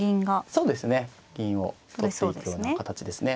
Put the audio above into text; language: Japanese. そうですね銀を取っていくような形ですね。